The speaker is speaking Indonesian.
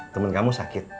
temen kamu sakit